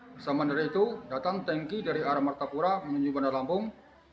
bersamaan dari itu datang tanki dari arah martapura menuju bandar lampung